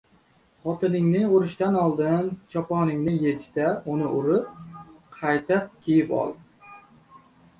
• Xotiningni urishdan oldin choponingni yech-da, uni urib, qayta kiyib ol.